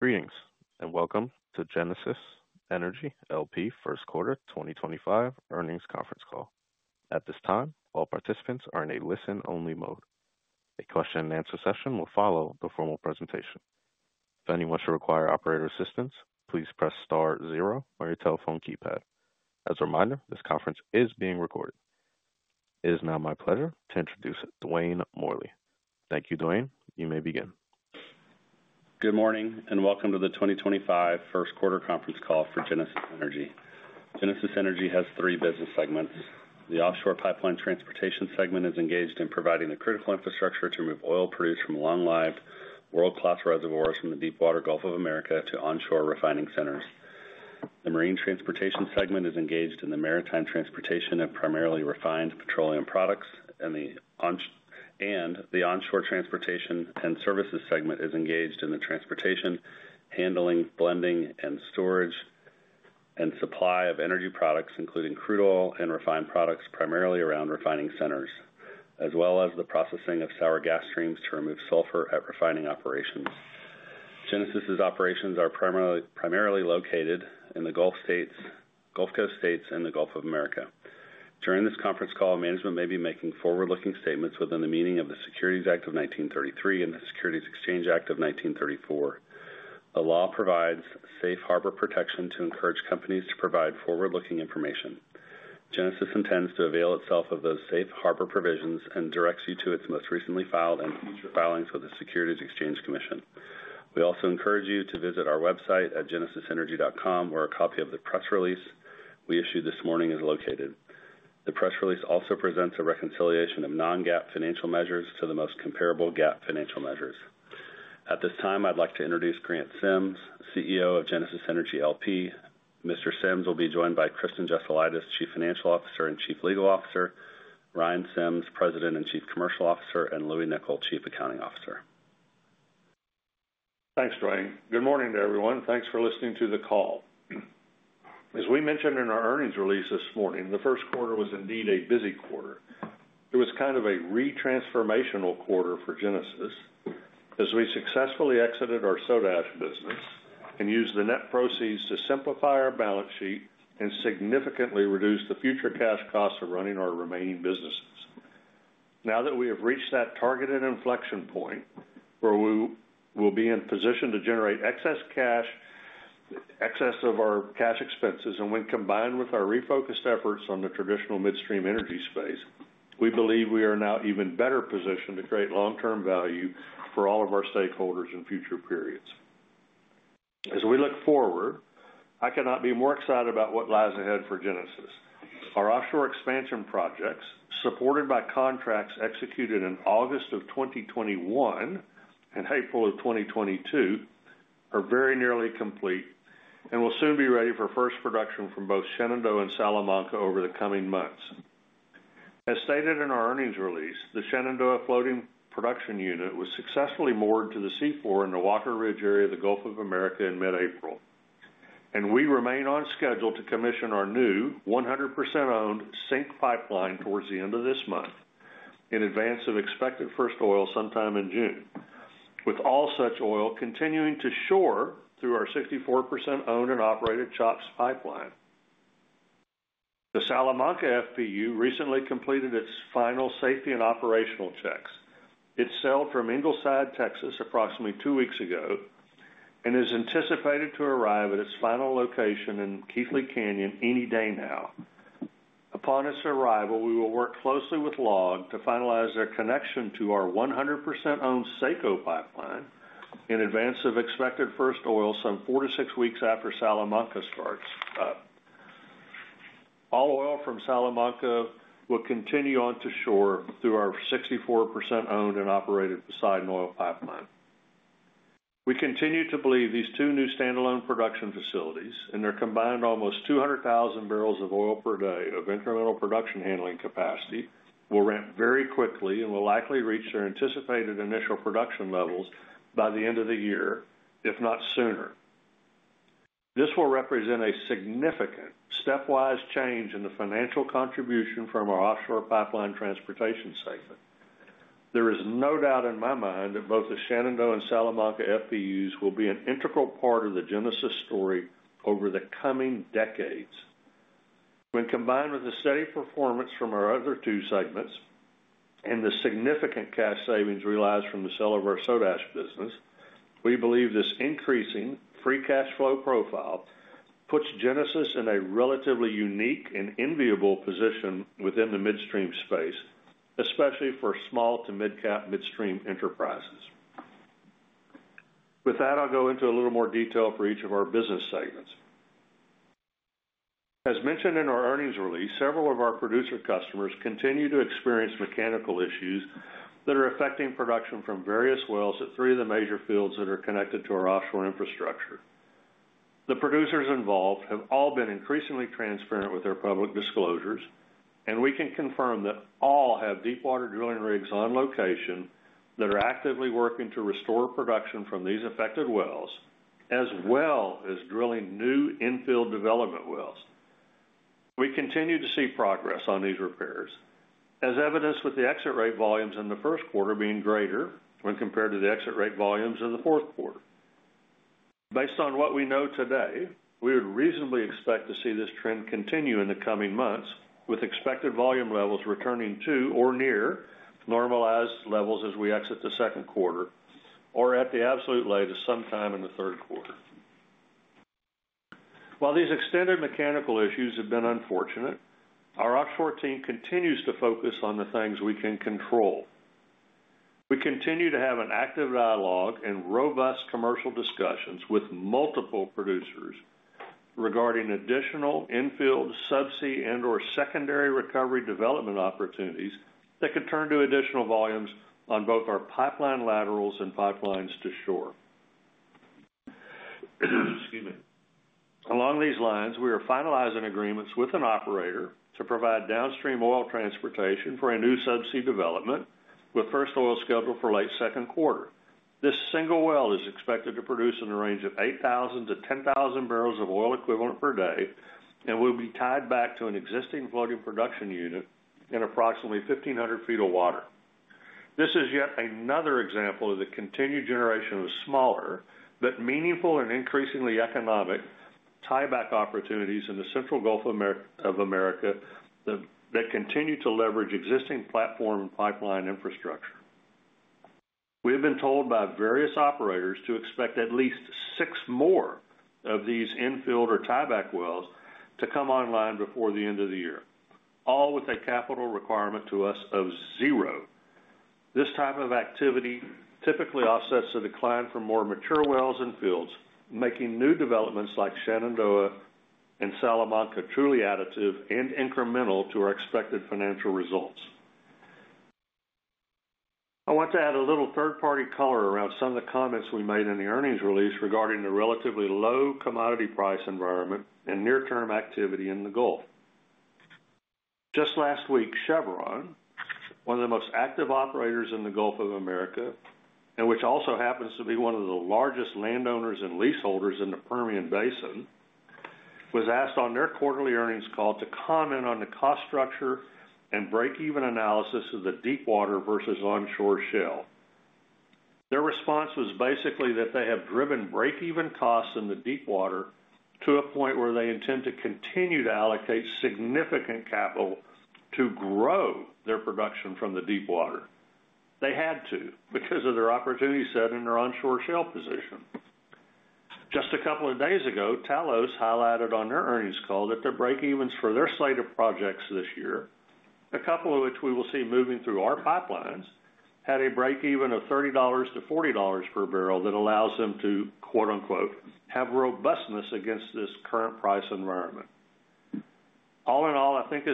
Greetings and welcome to Genesis Energy L.P. First Quarter 2025 Earnings Conference Call. At this time, all participants are in a listen-only mode. A question and answer session will follow the formal presentation. If anyone should require operator assistance, please press star zero on your telephone keypad. As a reminder, this conference is being recorded. It is now my pleasure to introduce Dwayne Morley. Thank you, Dwayne. You may begin. Good morning and welcome to the 2025 First Quarter Conference Call for Genesis Energy. Genesis Energy has three business segments. The Offshore Pipeline Transportation segment is engaged in providing the critical infrastructure to move oil produced from long-lived world-class reservoirs from the deepwater Gulf of America to onshore refining centers. The Marine Transportation segment is engaged in the maritime transportation of primarily refined petroleum products, and the Onshore Transportation and Services segment is engaged in the transportation, handling, blending, and storage and supply of energy products, including crude oil and refined products primarily around refining centers, as well as the processing of sour gas streams to remove sulfur at refining operations. Genesis's operations are primarily located in the Gulf Coast states and the Gulf of America. During this conference call, management may be making forward-looking statements within the meaning of the Securities Act of 1933 and the Securities Exchange Act of 1934. The law provides safe harbor protection to encourage companies to provide forward-looking information. Genesis intends to avail itself of those safe harbor provisions and directs you to its most recently filed and future filings with the Securities and Exchange Commission. We also encourage you to visit our website at genesisenergy.com, where a copy of the press release we issued this morning is located. The press release also presents a reconciliation of non-GAAP financial measures to the most comparable GAAP financial measures. At this time, I'd like to introduce Grant Sims, CEO of Genesis Energy L.P.. Mr. Sims will be joined by Kristen Jesulaitis, Chief Financial Officer and Chief Legal Officer; Ryan Sims, President and Chief Commercial Officer; and Louis Nicol, Chief Accounting Officer. Thanks, Dwayne. Good morning to everyone. Thanks for listening to the call. As we mentioned in our earnings release this morning, the first quarter was indeed a busy quarter. It was kind of a re-transformational quarter for Genesis as we successfully exited our soda ash business and used the net proceeds to simplify our balance sheet and significantly reduce the future cash costs of running our remaining businesses. Now that we have reached that targeted inflection point where we will be in position to generate excess cash, excess of our cash expenses, and when combined with our refocused efforts on the traditional midstream energy space, we believe we are now even better positioned to create long-term value for all of our stakeholders in future periods. As we look forward, I cannot be more excited about what lies ahead for Genesis. Our offshore expansion projects, supported by contracts executed in August of 2021 and April of 2022, are very nearly complete and will soon be ready for first production from both Shenandoah and Salamanca over the coming months. As stated in our earnings release, the Shenandoah floating production unit was successfully moored to the seafloor in the Walker Ridge area of the Gulf of America in mid-April, and we remain on schedule to commission our new 100% owned SINK pipeline towards the end of this month in advance of expected first oil sometime in June, with all such oil continuing to shore through our 64% owned and operated CHOPS pipeline. The Salamanca FPU recently completed its final safety and operational checks. It sailed from Ingleside, Texas, approximately two weeks ago and is anticipated to arrive at its final location in Keathley Canyon any day now. Upon its arrival, we will work closely with LLOG to finalize their connection to our 100% owned SACO pipeline in advance of expected first oil some four to six weeks after Salamanca starts up. All oil from Salamanca will continue on to shore through our 64% owned and operated Poseidon Oil pipeline. We continue to believe these two new standalone production facilities and their combined almost 200,000 barrels of oil per day of incremental production handling capacity will ramp very quickly and will likely reach their anticipated initial production levels by the end of the year, if not sooner. This will represent a significant stepwise change in the financial contribution from our Offshore Pipeline Transportation segment. There is no doubt in my mind that both the Shenandoah and Salamanca FPUs will be an integral part of the Genesis story over the coming decades. When combined with the steady performance from our other two segments and the significant cash savings realized from the sale of our soda ash business, we believe this increasing free cash flow profile puts Genesis in a relatively unique and enviable position within the midstream space, especially for small to mid-cap midstream enterprises. With that, I'll go into a little more detail for each of our business segments. As mentioned in our earnings release, several of our producer customers continue to experience mechanical issues that are affecting production from various wells at three of the major fields that are connected to our offshore infrastructure. The producers involved have all been increasingly transparent with their public disclosures, and we can confirm that all have deepwater drilling rigs on location that are actively working to restore production from these affected wells, as well as drilling new infield development wells. We continue to see progress on these repairs, as evidenced with the exit rate volumes in the first quarter being greater when compared to the exit rate volumes in the fourth quarter. Based on what we know today, we would reasonably expect to see this trend continue in the coming months, with expected volume levels returning to or near normalized levels as we exit the second quarter, or at the absolute latest sometime in the third quarter. While these extended mechanical issues have been unfortunate, our offshore team continues to focus on the things we can control. We continue to have an active dialogue and robust commercial discussions with multiple producers regarding additional infield, subsea, and/or secondary recovery development opportunities that could turn to additional volumes on both our pipeline laterals and pipelines to shore. Excuse me. Along these lines, we are finalizing agreements with an operator to provide downstream oil transportation for a new subsea development with first oil scheduled for late second quarter. This single well is expected to produce in the range of 8,000-10,000 barrels of oil equivalent per day and will be tied back to an existing floating production unit in approximately 1,500 feet of water. This is yet another example of the continued generation of smaller, but meaningful and increasingly economic tieback opportunities in the central Gulf of America that continue to leverage existing platform and pipeline infrastructure. We have been told by various operators to expect at least six more of these infield or tieback wells to come online before the end of the year, all with a capital requirement to us of zero. This type of activity typically offsets the decline from more mature wells and fields, making new developments like Shenandoah and Salamanca truly additive and incremental to our expected financial results. I want to add a little third-party color around some of the comments we made in the earnings release regarding the relatively low commodity price environment and near-term activity in the Gulf. Just last week, Chevron, one of the most active operators in the Gulf of America, and which also happens to be one of the largest landowners and leaseholders in the Permian Basin, was asked on their quarterly earnings call to comment on the cost structure and break-even analysis of the deepwater versus onshore shale. Their response was basically that they have driven break-even costs in the deepwater to a point where they intend to continue to allocate significant capital to grow their production from the deepwater. They had to because of their opportunity set in their onshore shale position. Just a couple of days ago, Talos highlighted on their earnings call that their break-evens for their slate of projects this year, a couple of which we will see moving through our pipelines, had a break-even of $30 to $40 per barrel that allows them to "have robustness against this current price environment." All in all, I think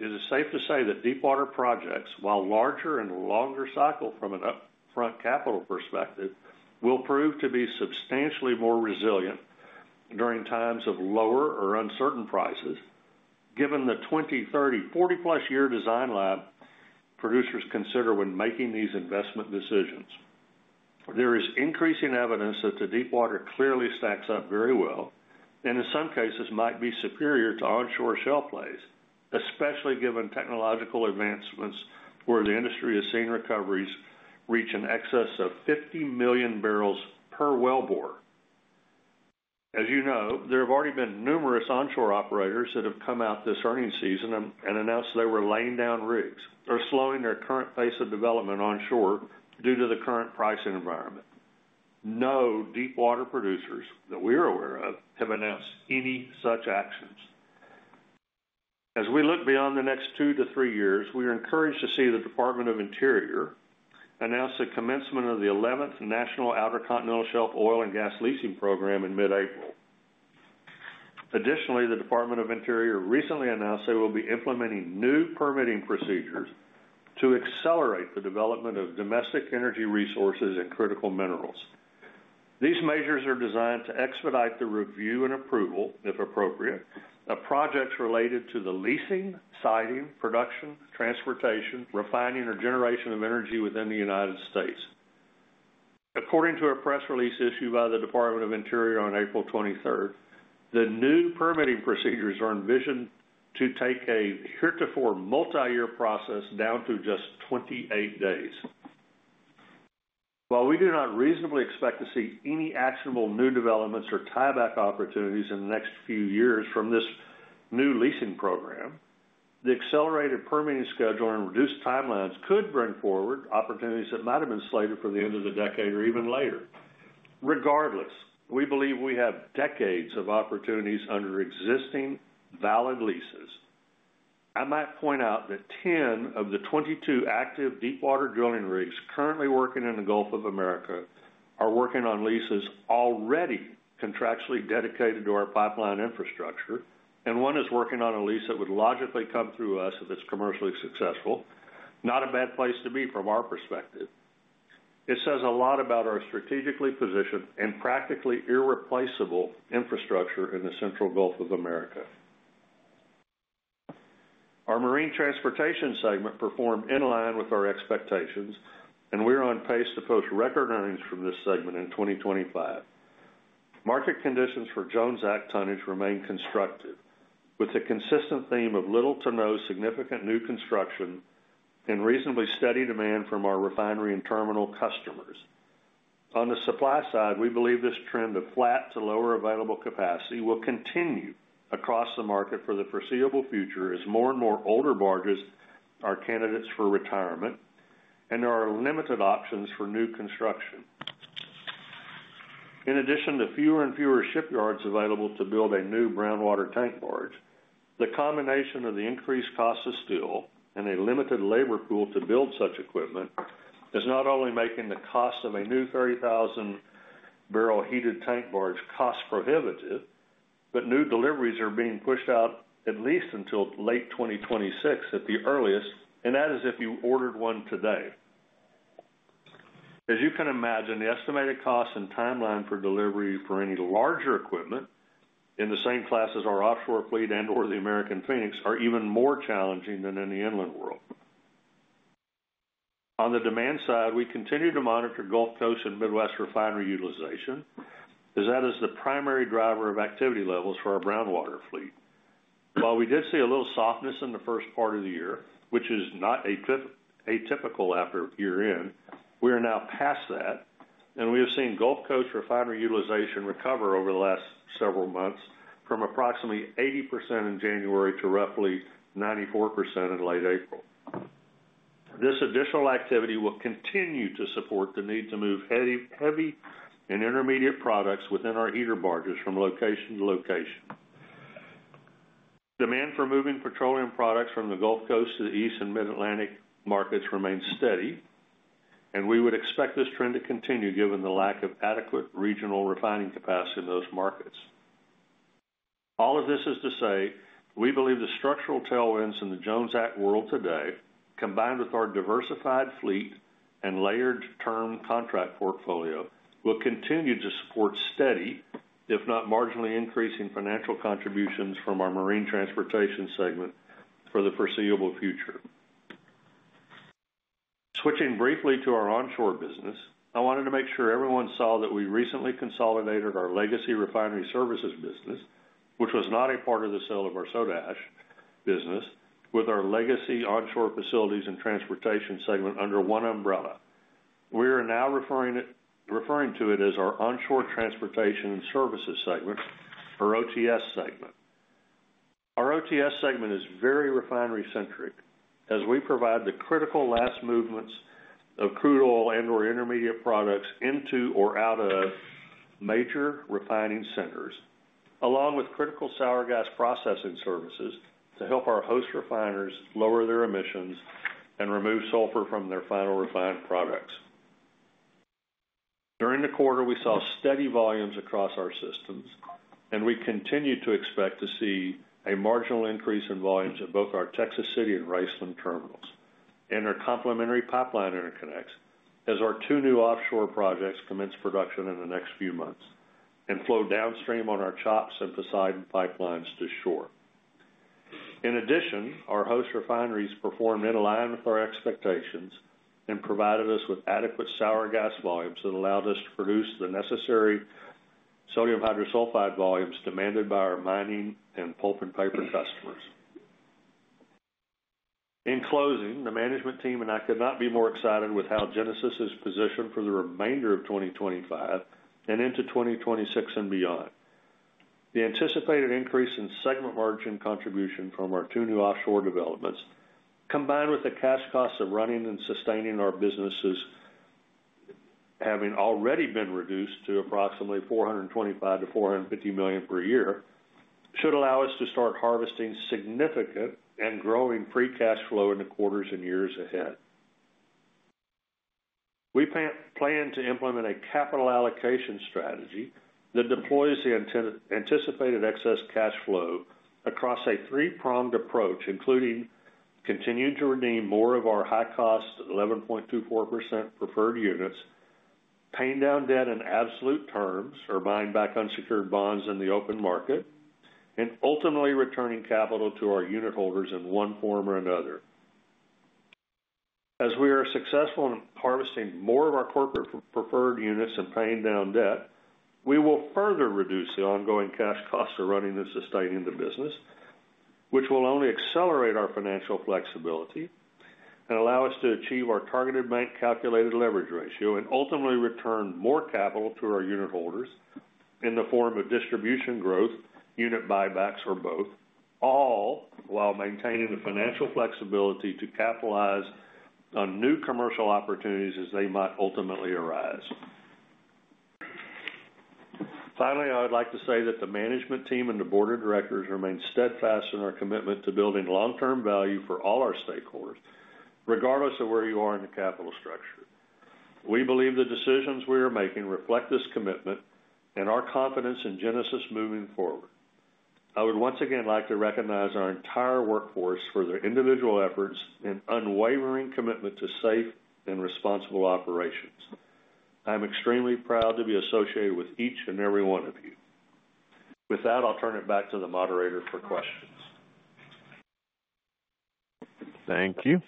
it is safe to say that deep water projects, while larger and longer cycle from an upfront capital perspective, will prove to be substantially more resilient during times of lower or uncertain prices, given the 20, 30, 40-plus year design lab producers consider when making these investment decisions. There is increasing evidence that the deep water clearly stacks up very well and, in some cases, might be superior to onshore shale plays, especially given technological advancements where the industry has seen recoveries reach an excess of 50 million barrels per well bore. As you know, there have already been numerous onshore operators that have come out this earnings season and announced they were laying down rigs or slowing their current pace of development onshore due to the current pricing environment. No deepwater producers that we are aware of have announced any such actions. As we look beyond the next two to three years, we are encouraged to see the Department of Interior announce the commencement of the 11th National Outer Continental Shelf Oil and Gas Leasing Program in mid-April. Additionally, the Department of Interior recently announced they will be implementing new permitting procedures to accelerate the development of domestic energy resources and critical minerals. These measures are designed to expedite the review and approval, if appropriate, of projects related to the leasing, siting, production, transportation, refining, or generation of energy within the United States. According to a press release issued by the Department of Interior on April 23rd, the new permitting procedures are envisioned to take a heretofore multi-year process down to just 28 days. While we do not reasonably expect to see any actionable new developments or tieback opportunities in the next few years from this new leasing program, the accelerated permitting schedule and reduced timelines could bring forward opportunities that might have been slated for the end of the decade or even later. Regardless, we believe we have decades of opportunities under existing valid leases. I might point out that 10 of the 22 active deepwater drilling rigs currently working in the Gulf of America are working on leases already contractually dedicated to our pipeline infrastructure, and one is working on a lease that would logically come through us if it's commercially successful. Not a bad place to be from our perspective. It says a lot about our strategically positioned and practically irreplaceable infrastructure in the central Gulf of America. Our Marine Transportation segment performed in line with our expectations, and we're on pace to post record earnings from this segment in 2025. Market conditions for Jones Act tonnage remain constructive, with a consistent theme of little to no significant new construction and reasonably steady demand from our refinery and terminal customers. On the supply side, we believe this trend of flat to lower available capacity will continue across the market for the foreseeable future as more and more older barges are candidates for retirement and there are limited options for new construction. In addition to fewer and fewer shipyards available to build a new brown water tank barge, the combination of the increased cost of steel and a limited labor pool to build such equipment is not only making the cost of a new 30,000-barrel heated tank barge cost prohibitive, but new deliveries are being pushed out at least until late 2026 at the earliest, and that is if you ordered one today. As you can imagine, the estimated cost and timeline for delivery for any larger equipment in the same class as our offshore fleet and/or the American Phoenix are even more challenging than in the inland world. On the demand side, we continue to monitor Gulf Coast and Midwest refinery utilization, as that is the primary driver of activity levels for our brown water fleet. While we did see a little softness in the first part of the year, which is not atypical after year-end, we are now past that, and we have seen Gulf Coast refinery utilization recover over the last several months from approximately 80% in January to roughly 94% in late April. This additional activity will continue to support the need to move heavy and intermediate products within our heater barges from location to location. Demand for moving petroleum products from the Gulf Coast to the East and Mid-Atlantic markets remains steady, and we would expect this trend to continue given the lack of adequate regional refining capacity in those markets. All of this is to say we believe the structural tailwinds in the Jones Act world today, combined with our diversified fleet and layered term contract portfolio, will continue to support steady, if not marginally increasing, financial contributions from our marine transportation segment for the foreseeable future. Switching briefly to our onshore business, I wanted to make sure everyone saw that we recently consolidated our legacy refinery services business, which was not a part of the sale of our soda ash business, with our legacy onshore facilities and transportation segment under one umbrella. We are now referring to it as our onshore transportation services segment, or OTS segment. Our OTS segment is very refinery-centric, as we provide the critical last movements of crude oil and/or intermediate products into or out of major refining centers, along with critical sour gas processing services to help our host refiners lower their emissions and remove sulfur from their final refined products. During the quarter, we saw steady volumes across our systems, and we continue to expect to see a marginal increase in volumes at both our Texas City and Rice Land terminals and our complementary pipeline interconnects, as our two new offshore projects commence production in the next few months and flow downstream on our CHOPS and Poseidon pipelines to shore. In addition, our host refineries performed in line with our expectations and provided us with adequate sour gas volumes that allowed us to produce the necessary sodium hydrosulfide volumes demanded by our mining and pulp and paper customers. In closing, the management team and I could not be more excited with how Genesis is positioned for the remainder of 2025 and into 2026 and beyond. The anticipated increase in segment margin contribution from our two new offshore developments, combined with the cash costs of running and sustaining our businesses having already been reduced to approximately $425 million to $450 million per year, should allow us to start harvesting significant and growing free cash flow in the quarters and years ahead. We plan to implement a capital allocation strategy that deploys the anticipated excess cash flow across a three-pronged approach, including continuing to redeem more of our high-cost 11.24% preferred units, paying down debt in absolute terms, or buying back unsecured bonds in the open market, and ultimately returning capital to our unit holders in one form or another. As we are successful in harvesting more of our corporate preferred units and paying down debt, we will further reduce the ongoing cash costs of running and sustaining the business, which will only accelerate our financial flexibility and allow us to achieve our targeted bank calculated leverage ratio and ultimately return more capital to our unit holders in the form of distribution growth, unit buybacks, or both, all while maintaining the financial flexibility to capitalize on new commercial opportunities as they might ultimately arise. Finally, I would like to say that the management team and the board of directors remain steadfast in our commitment to building long-term value for all our stakeholders, regardless of where you are in the capital structure. We believe the decisions we are making reflect this commitment and our confidence in Genesis moving forward. I would once again like to recognize our entire workforce for their individual efforts and unwavering commitment to safe and responsible operations. I am extremely proud to be associated with each and every one of you. With that, I'll turn it back to the moderator for questions. Thank you.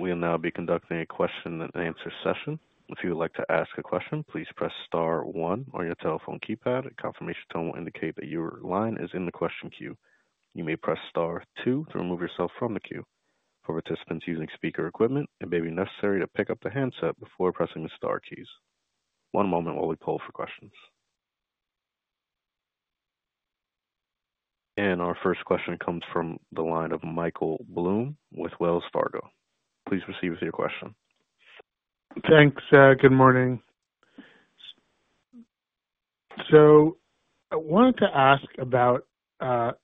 We will now be conducting a question and answer session. If you would like to ask a question, please press star one on your telephone keypad. A confirmation tone will indicate that your line is in the question queue. You may press star two to remove yourself from the queue. For participants using speaker equipment, it may be necessary to pick up the handset before pressing the star keys. One moment while we poll for questions. Our first question comes from the line of Michael Blum with Wells Fargo. Please proceed with your question. Thanks. Good morning. I wanted to ask about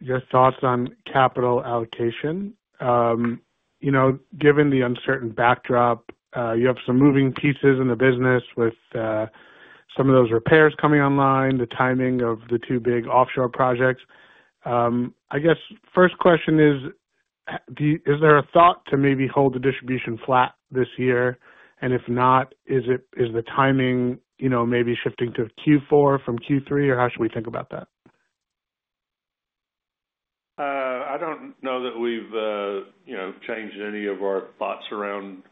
your thoughts on capital allocation. Given the uncertain backdrop, you have some moving pieces in the business with some of those repairs coming online, the timing of the two big offshore projects. I guess first question is, is there a thought to maybe hold the distribution flat this year? And if not, is the timing maybe shifting to Q4 from Q3, or how should we think about that? I do not know that we have changed any of our thoughts around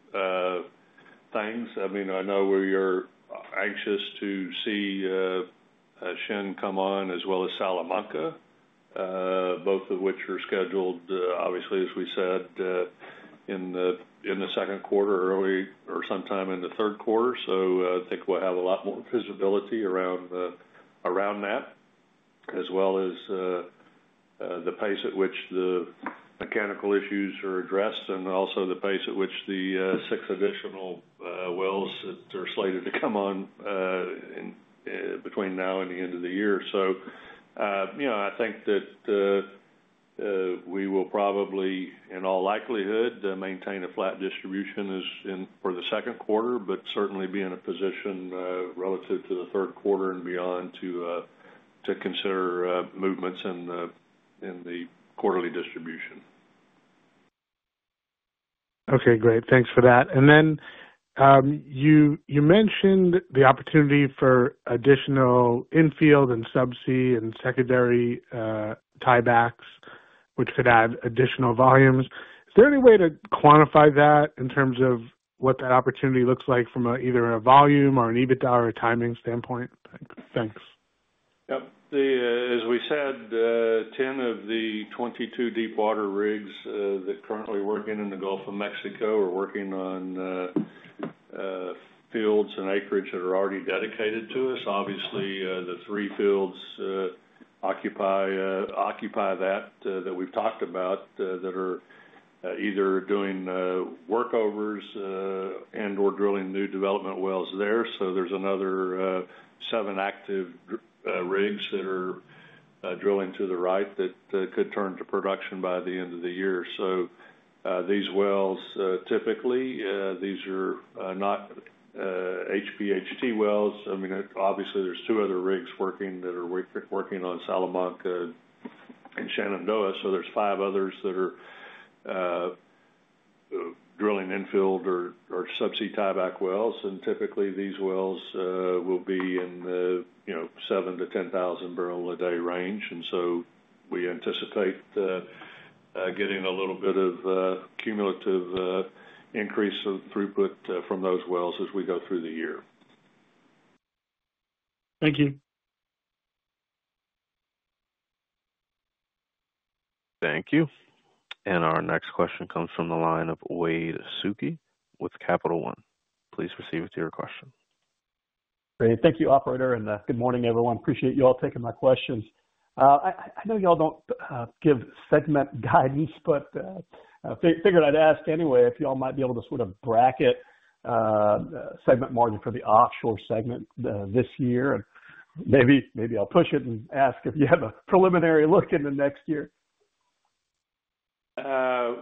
things. I mean, I know we are anxious to see Shen come on as well as Salamanca, both of which are scheduled, obviously, as we said, in the second quarter or sometime in the third quarter. I think we'll have a lot more visibility around that, as well as the pace at which the mechanical issues are addressed and also the pace at which the six additional wells that are slated to come on between now and the end of the year. I think that we will probably, in all likelihood, maintain a flat distribution for the second quarter, but certainly be in a position relative to the third quarter and beyond to consider movements in the quarterly distribution. Okay. Great. Thanks for that. You mentioned the opportunity for additional infield and subsea and secondary tiebacks, which could add additional volumes. Is there any way to quantify that in terms of what that opportunity looks like from either a volume or an EBITDA or a timing standpoint? Thanks. Yep. As we said, 10 of the 22 deepwater rigs that currently work in the Gulf of Mexico are working on fields and acreage that are already dedicated to us. Obviously, the three fields occupy that that we've talked about that are either doing workovers and/or drilling new development wells there. There are another seven active rigs that are drilling to the right that could turn to production by the end of the year. These wells, typically, these are not HPHT wells. I mean, obviously, there are two other rigs working that are working on Salamanca and Shenandoah. There are five others that are drilling infield or subsea tieback wells. Typically, these wells will be in the 7,000-10,000 barrel a day range. We anticipate getting a little bit of cumulative increase of throughput from those wells as we go through the year. Thank you. Thank you. Our next question comes from the line of Wade Suki with Capital One. Please proceed with your question. Great. Thank you, operator. Good morning, everyone. Appreciate you all taking my questions. I know y'all don't give segment guidance, but figured I'd ask anyway if y'all might be able to sort of bracket segment margin for the offshore segment this year. Maybe I'll push it and ask if you have a preliminary look in the next year.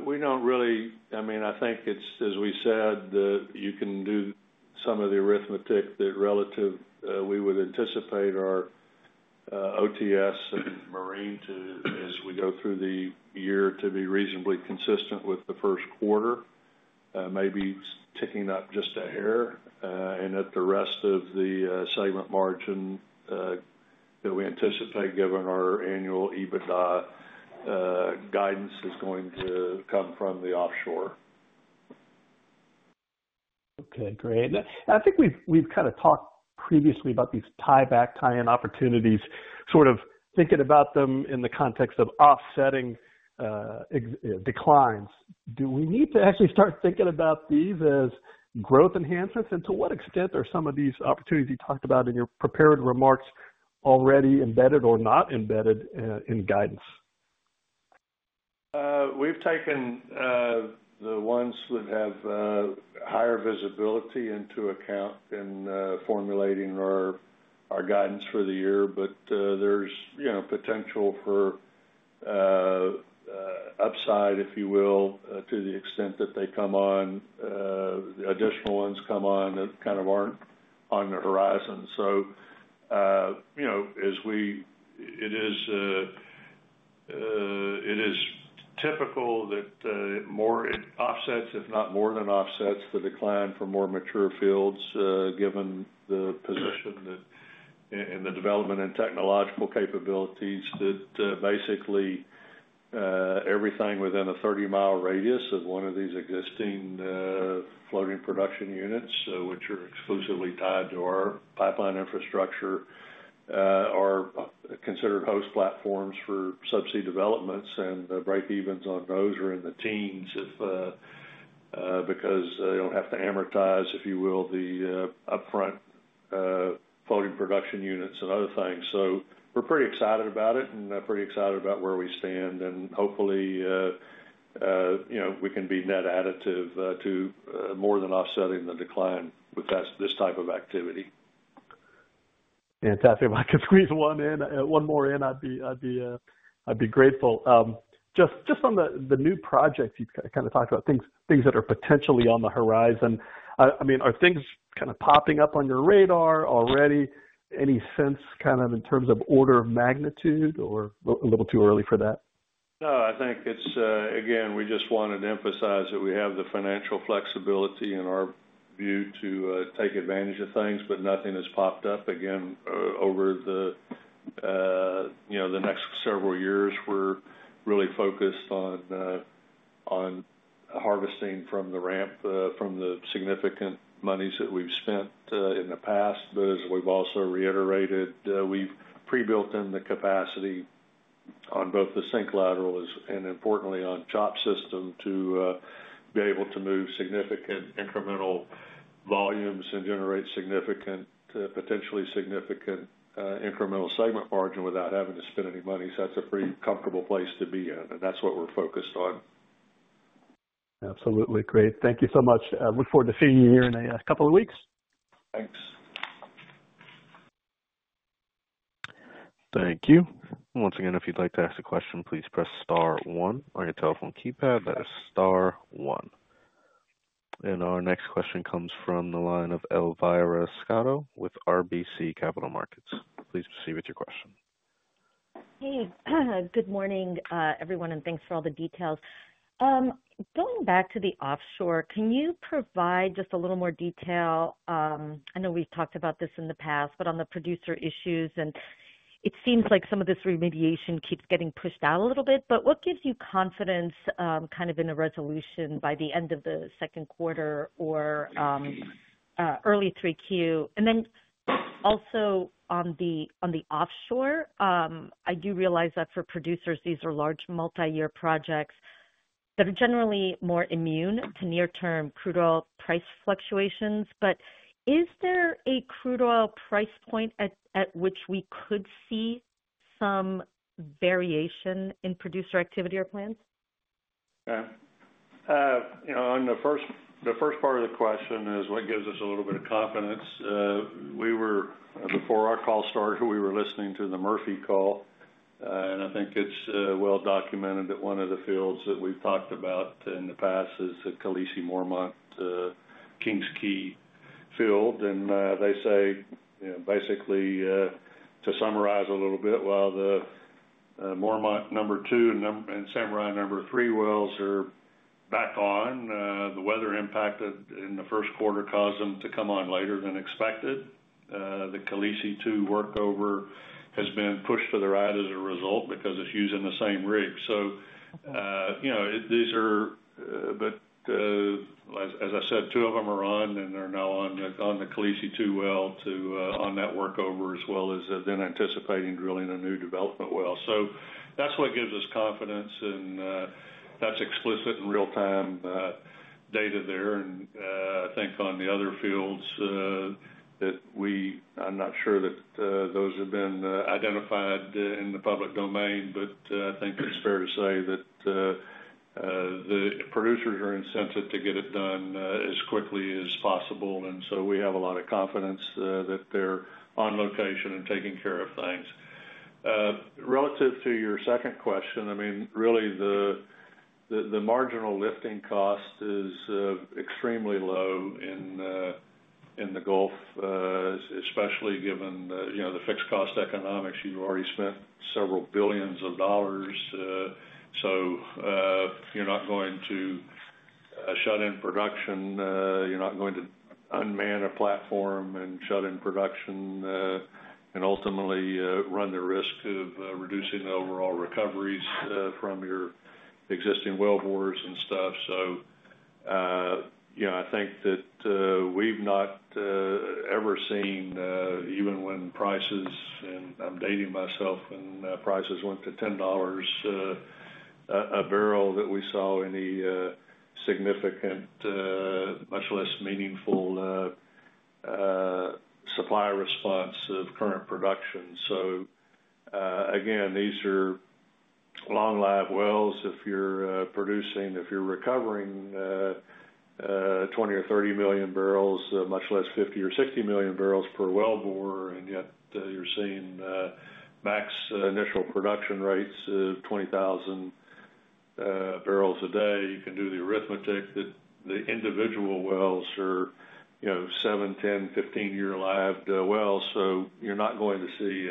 We don't really—I mean, I think it's, as we said, you can do some of the arithmetic that relative we would anticipate our OTS and marine to, as we go through the year, to be reasonably consistent with the first quarter, maybe ticking up just a hair. The rest of the segment margin that we anticipate, given our annual EBITDA guidance, is going to come from the offshore. Okay. Great. I think we've kind of talked previously about these tieback, tie-in opportunities, sort of thinking about them in the context of offsetting declines. Do we need to actually start thinking about these as growth enhancements? To what extent are some of these opportunities you talked about in your prepared remarks already embedded or not embedded in guidance? We've taken the ones that have higher visibility into account in formulating our guidance for the year. There is potential for upside, if you will, to the extent that they come on—additional ones come on that kind of aren't on the horizon. It is typical that more it offsets, if not more than offsets, the decline for more mature fields, given the position and the development and technological capabilities that basically everything within a 30 mi radius of one of these existing floating production units, which are exclusively tied to our pipeline infrastructure, are considered host platforms for subsea developments. The break-evens on those are in the teens because they do not have to amortize, if you will, the upfront floating production units and other things. We are pretty excited about it and pretty excited about where we stand. Hopefully, we can be net additive to more than offsetting the decline with this type of activity. Fantastic. If I could squeeze one more in, I would be grateful. Just on the new projects you kind of talked about, things that are potentially on the horizon, I mean, are things kind of popping up on your radar already? Any sense kind of in terms of order of magnitude or a little too early for that? No, I think it's, again, we just wanted to emphasize that we have the financial flexibility in our view to take advantage of things, but nothing has popped up. Again, over the next several years, we're really focused on harvesting from the ramp, from the significant monies that we've spent in the past. As we've also reiterated, we've pre-built in the capacity on both the SINK laterals and, importantly, on CHOPS system to be able to move significant incremental volumes and generate potentially significant incremental segment margin without having to spend any money. That's a pretty comfortable place to be in. That's what we're focused on. Absolutely. Great. Thank you so much. Look forward to seeing you here in a couple of weeks. Thanks. Thank you. Once again, if you'd like to ask a question, please press star one on your telephone keypad. That is star one. Our next question comes from the line of Elvira Scotto with RBC Capital Markets. Please proceed with your question. Hey. Good morning, everyone, and thanks for all the details. Going back to the offshore, can you provide just a little more detail? I know we've talked about this in the past, but on the producer issues, it seems like some of this remediation keeps getting pushed out a little bit. What gives you confidence kind of in a resolution by the end of the second quarter or early 3Q? I do realize that for producers, these are large multi-year projects that are generally more immune to near-term crude oil price fluctuations. Is there a crude oil price point at which we could see some variation in producer activity or plans? Okay. The first part of the question is what gives us a little bit of confidence. Before our call started, we were listening to the Murphy call. I think it is well documented that one of the fields that we have talked about in the past is the Khaleesi-Mormont King's Key field. They say, basically, to summarize a little bit, while the Mormont number two and Samurai number three wells are back on, the weather impact in the first quarter caused them to come on later than expected. The Khaleesi two workover has been pushed to the right as a result because it's using the same rig. These are, but as I said, two of them are on, and they're now on the Khaleesi two well on that workover as well as then anticipating drilling a new development well. That's what gives us confidence. That's explicit in real-time data there. I think on the other fields that we—I'm not sure that those have been identified in the public domain, but I think it's fair to say that the producers are incented to get it done as quickly as possible. We have a lot of confidence that they're on location and taking care of things. Relative to your second question, I mean, really, the marginal lifting cost is extremely low in the Gulf, especially given the fixed cost economics. You've already spent several billions of dollars. You're not going to shut in production. You're not going to unman a platform and shut in production and ultimately run the risk of reducing the overall recoveries from your existing well bores and stuff. I think that we've not ever seen, even when prices—and I'm dating myself—when prices went to $10 a barrel that we saw any significant, much less meaningful supply response of current production. These are long-lived wells. If you're producing, if you're recovering 20 or 30 million barrels, much less 50 or 60 million barrels per well bore, and yet you're seeing max initial production rates of 20,000 barrels a day, you can do the arithmetic that the individual wells are 7, 10, 15-year live wells. You're not going to see,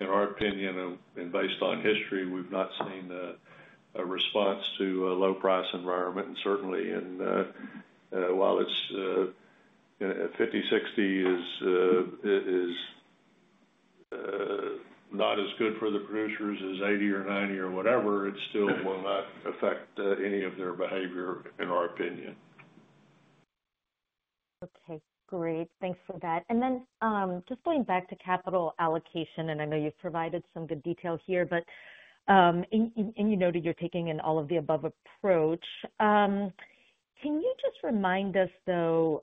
in our opinion, and based on history, we've not seen a response to a low-price environment. Certainly, while $50/$60 is not as good for the producers as $80 or $90 or whatever, it still will not affect any of their behavior, in our opinion. Okay. Great. Thanks for that. Just going back to capital allocation, and I know you've provided some good detail here, and you noted you're taking an all-of-the-above approach. Can you just remind us, though,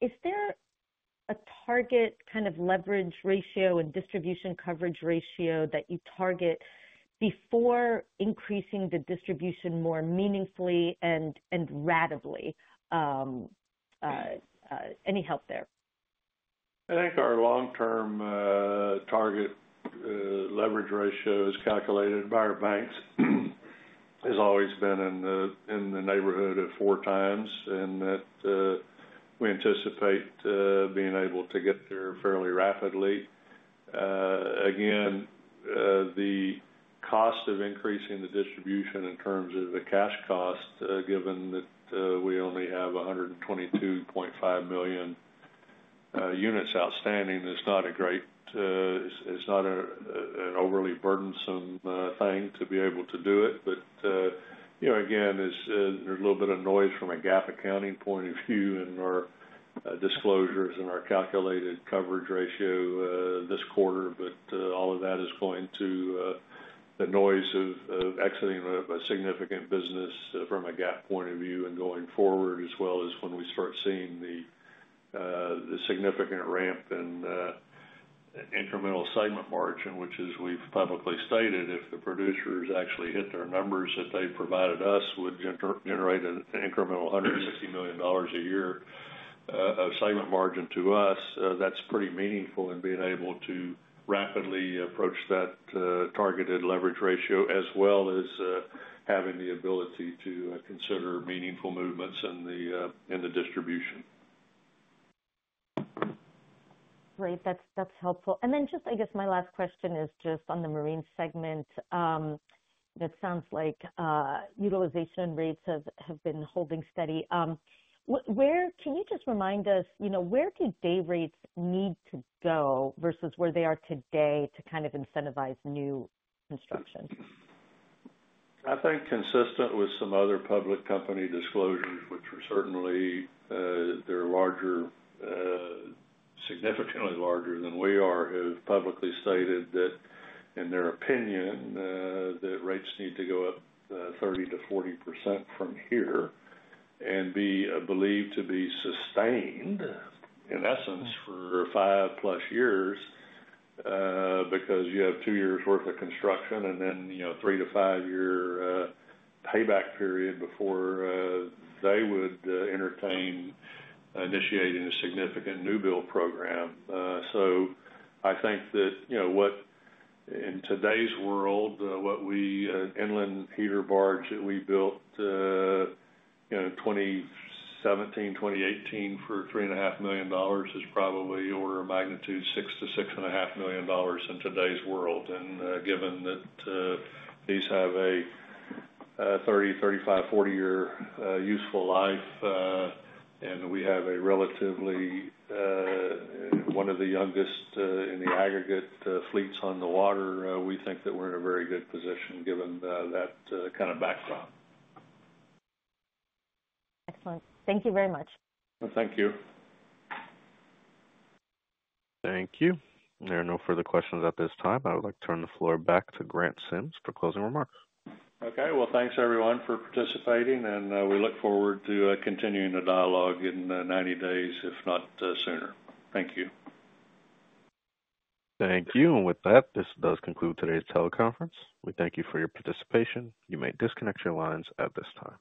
is there a target kind of leverage ratio and distribution coverage ratio that you target before increasing the distribution more meaningfully and radically? Any help there? I think our long-term target leverage ratio is calculated by our banks. It's always been in the neighborhood of four times, and we anticipate being able to get there fairly rapidly. Again, the cost of increasing the distribution in terms of the cash cost, given that we only have 122.5 million units outstanding, it is not a great—it is not an overly burdensome thing to be able to do it. Again, there is a little bit of noise from a GAAP accounting point of view in our disclosures and our calculated coverage ratio this quarter. All of that is going to the noise of exiting a significant business from a GAAP point of view and going forward, as well as when we start seeing the significant ramp in incremental segment margin, which is, we have publicly stated if the producers actually hit their numbers that they provided us, would generate an incremental $150 million a year of segment margin to us. That's pretty meaningful in being able to rapidly approach that targeted leverage ratio, as well as having the ability to consider meaningful movements in the distribution. Great. That's helpful. Just, I guess, my last question is just on the marine segment. It sounds like utilization rates have been holding steady. Can you just remind us where do day rates need to go versus where they are today to kind of incentivize new construction? I think consistent with some other public company disclosures, which are certainly, they're significantly larger than we are, have publicly stated that, in their opinion, rates need to go up 30% to 40% from here and be believed to be sustained, in essence, for five-plus years because you have two years' worth of construction and then a three to five year payback period before they would entertain initiating a significant new build program. I think that in today's world, what we inland heater barge that we built 2017, 2018 for $3.5 million is probably order of magnitude $6 million to $6.5 million in today's world. And given that these have a 30, 35, 40-year useful life, and we have a relatively one of the youngest in the aggregate fleets on the water, we think that we're in a very good position given that kind of backdrop. Excellent. Thank you very much. Thank you. Thank you. There are no further questions at this time. I would like to turn the floor back to Grant Sims for closing remarks. Okay. Thanks, everyone, for participating. We look forward to continuing the dialogue in 90 days, if not sooner. Thank you. Thank you. With that, this does conclude today's teleconference. We thank you for your participation. You may disconnect your lines at this time.